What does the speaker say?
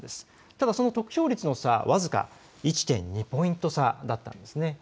ただその得票率の差は僅か１．２ポイント差だったんですね。